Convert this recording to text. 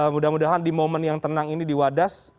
mudah mudahan di momen yang tenang ini di wadas